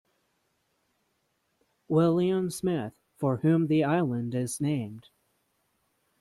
William Smith, for whom the island is named.